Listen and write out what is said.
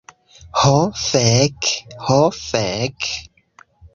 Ho fek... ho fek'...